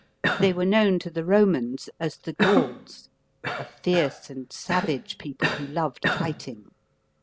They were known to the Romans, as the Gauls, a fierce and savage people, who loved fighting.